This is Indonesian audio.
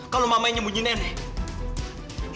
kalau mama yang sembunyi nenek